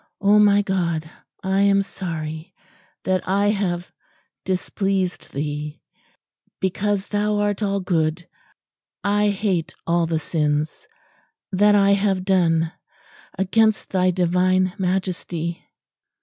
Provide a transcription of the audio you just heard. O my God I am sorry that I have displeased Thee because thou art All good. I hate all the sins that I have done against Thy Divine Majesty."